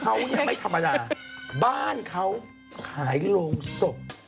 เขาเนี่ยไม่ธรรมดาบ้านเขาขายโรงศพ